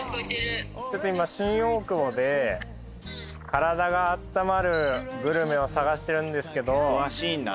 今新大久保で体があったまるグルメを探してるんですけど。